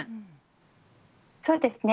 そうですね